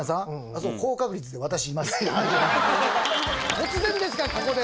突然ですがここで。